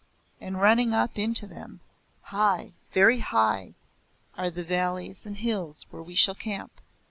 And running up into them, high very high, are the valleys and hills where we shall camp.